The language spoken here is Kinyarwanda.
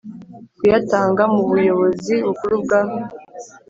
kuyatanga mu Buyobozi Bukuru bwa